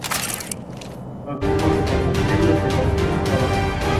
It's a career highlight collection including both previously published and new material.